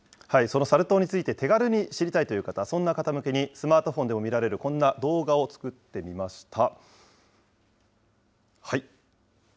そのサル痘について、手軽に知りたいという方、そんな方向けに、スマートフォンでも見られるこんな動画を作ってみました。